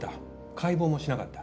解剖もしなかった。